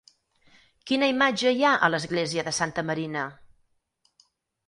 Quina imatge hi ha a l'església de Santa Marina?